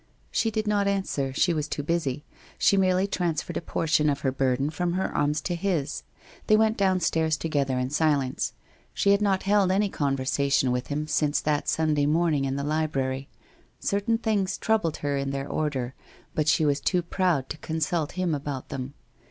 She did not answer; she was too busy. She merely transferred a portion of her burden from her arms to his. They went downstairs together in silence. She had not held any conversation with him since that Sunday morn ing in the library. Certain things troubled her in their order, but she was too proud to consult him about them.